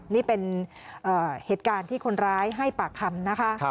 นี่เป็นเหตุการณ์ที่คนร้ายให้ปากคำนะคะ